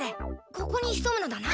ここにひそむのだな。